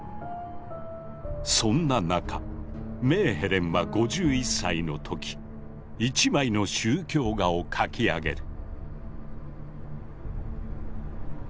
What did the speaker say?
そんな中メーヘレンは５１歳の時一枚の宗教画を描き上げる。